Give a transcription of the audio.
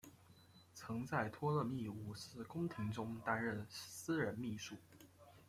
曾在托勒密五世宫廷中担任私人秘书。